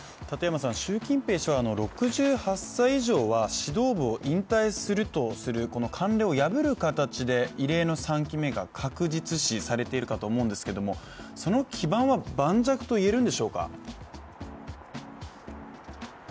習近平氏は、６８歳以上は指導部を引退するという形でこの慣例を破る形で、異例の３期目が確実視されているかと思うんですけれどもその基盤は盤石といえるんでしょうか。